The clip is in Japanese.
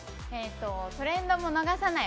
トレンドも逃がさない！